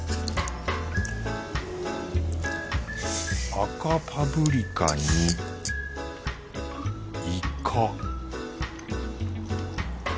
赤パプリカにイカ